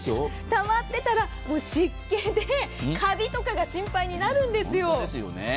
たまってたら湿気でカビとかが心配になるんですよ。